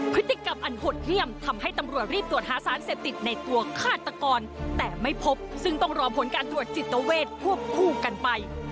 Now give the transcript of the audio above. พฤติกรรมอันหดเยี่ยมทำให้ตำรวจรีบตรวจหาสารเสพติดในตัวฆาตกรแต่ไม่พบซึ่งต้องรอผลการตรวจจิตเวทควบคู่กันไป